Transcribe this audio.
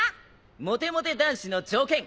モテモテ男子の条件！